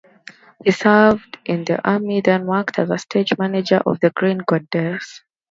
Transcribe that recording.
He served in the Army, then worked as stage manager of "The Green Goddess".